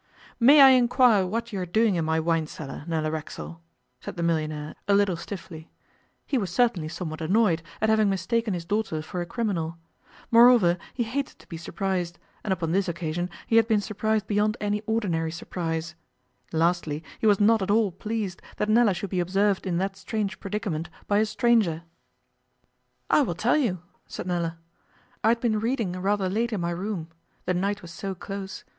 'May I inquire what you are doing in my wine cellar, Nella Racksole?' said the millionaire a little stiffly He was certainly somewhat annoyed at having mistaken his daughter for a criminal; moreover, he hated to be surprised, and upon this occasion he had been surprised beyond any ordinary surprise; lastly, he was not at all pleased that Nella should be observed in that strange predicament by a stranger. 'I will tell you,' said Nella. 'I had been reading rather late in my room the night was so close.